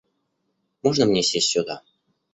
Можно мне сесть сюда?